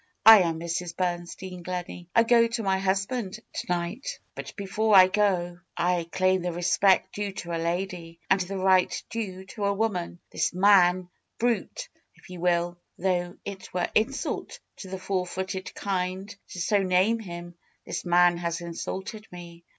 "I am Mrs. Bernstein Gleney. I go to my husband to night. FAITH m But before I go I claim the respect due to a lady, and the right due to a woman. This man — brute! if you will, though it were insult to the four footed kind to so name him — this man has insulted me.